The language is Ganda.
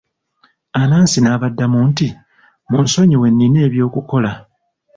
Anansi n'abaddamu nti, munsonyiwe nnina eby'okukola.